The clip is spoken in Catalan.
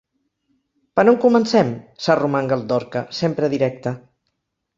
Per on comencem? —s'arromanga el Dorca, sempre directe.